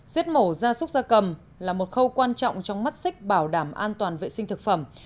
giết mổ ra súc ra cầm là một khâu quan trọng trong mắt xích bảo đảm an toàn vệ sinh thực phẩm